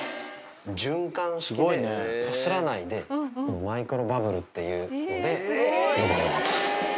循環式で、こすらないで、マイクロバブルっていうので汚れを落とす。